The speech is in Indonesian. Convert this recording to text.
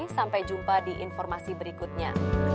sampai jumpa di informasi berikutnya